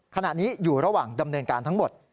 ขณะนี้อยู่ระหว่างดำเนินการทั้งหมด